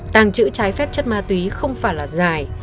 tàng trữ trái phép chất ma túy không phải là dài